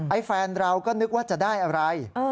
แฟนเราก็นึกว่าจะได้อะไร